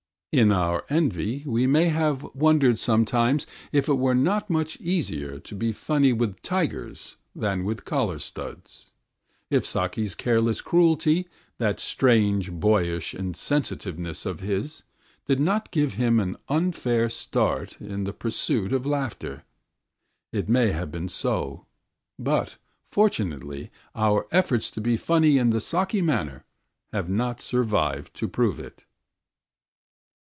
In our envy we may have wondered sometimes if it were not much easier to be funny with tigers than with collar studs; if Saki's careless cruelty, that strange boyish insensitiveness of his, did not give him an unfair start in the pursuit of laughter. It may have been so; but, fortunately, our efforts to be funny in the Saki manner have not survived to prove it.